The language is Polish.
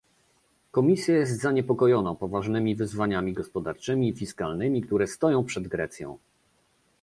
Komisja jest zaniepokojona poważnymi wyzwaniami gospodarczymi i fiskalnymi, które stoją przed Grecją